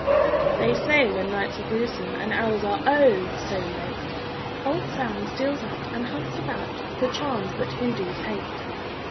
_ They say when nights are grewsome And hours are, oh! so late, Old Sam steals out And hunts about For charms that hoodoos hate!